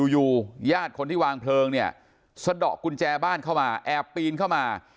อยู่ญาติคนที่วางเพลิงเนี่ยสะดอกกุญแจบ้านเข้ามาแอบปีนเข้ามา